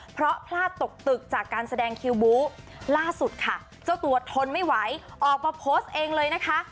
เพราะพลาดตกตึกจากการแสดงคิวบู๊ล่าสุดค่ะเจ้าตัวทนไม่ไหวออกมาโพสต์เองเลยนะคะ